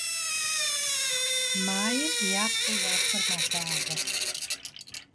Maym yapeu vuafer meğuağue.